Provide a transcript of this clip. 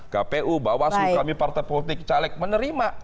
kpu bawas sukami partai politik caleg menerima